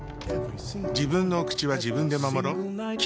自分のお口は自分で守ろっ。